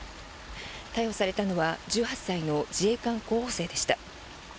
逮捕されたのは１８歳の自衛官候補生でした。